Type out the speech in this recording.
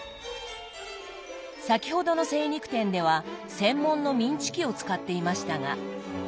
先ほどの精肉店では専門のミンチ機を使っていましたが。